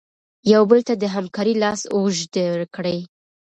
یو بل ته د همکارۍ لاس اوږد کړئ.